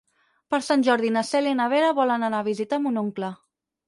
Per Sant Jordi na Cèlia i na Vera volen anar a visitar mon oncle.